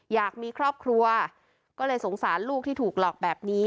อยากมีครอบครัวก็เลยสงสารลูกที่ถูกหลอกแบบนี้